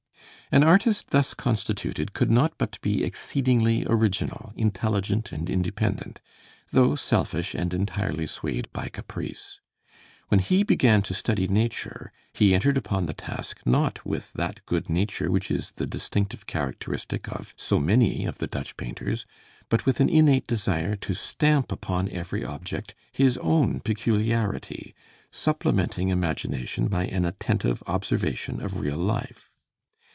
An artist thus constituted could not but be exceedingly original, intelligent, and independent, though selfish and entirely swayed by caprice. When he began to study nature, he entered upon his task not with that good nature which is the distinctive characteristic of so many of the Dutch painters, but with an innate desire to stamp upon every object his own peculiarity, supplementing imagination by an attentive observation of real life.